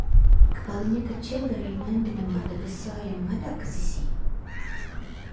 Kepalanya kecil dan ringan dengan mata besar yang menghadap ke sisi